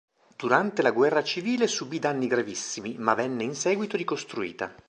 Durante la guerra civile subì danni gravissimi ma venne in seguito ricostruita.